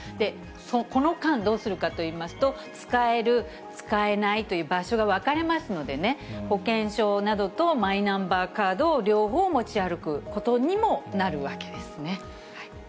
この間、どうするかといいますと、使える、使えないという場所が分かれますのでね、保険証などとマイナンバーカードを両方持ち歩くことにもなるわけですね。